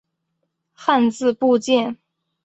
汉字部件。